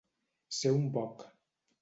Ser un boc.